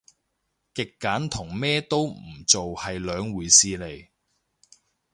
極簡同咩都唔做係兩回事嚟